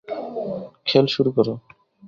খেল শুরু করো।